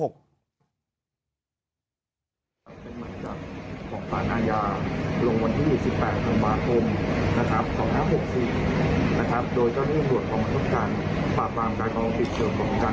เป็นเหมือนกับของฝ่านาญาลงวันที่๒๘ทางบาทมนะครับ